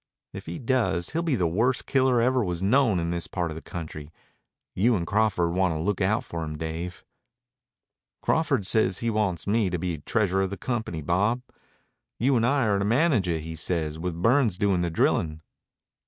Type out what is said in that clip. If he does he'll be the worst killer ever was known in this part of the country. You an' Crawford want to look out for him, Dave." "Crawford says he wants me to be treasurer of the company, Bob. You and I are to manage it, he says, with Burns doing the drilling."